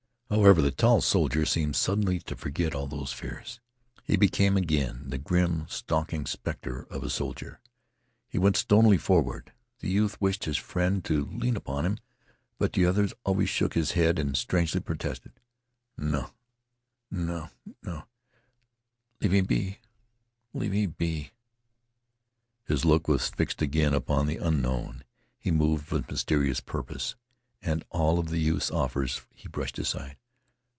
However, the tall soldier seemed suddenly to forget all those fears. He became again the grim, stalking specter of a soldier. He went stonily forward. The youth wished his friend to lean upon him, but the other always shook his head and strangely protested. "No no no leave me be leave me be " His look was fixed again upon the unknown. He moved with mysterious purpose, and all of the youth's offers he brushed aside.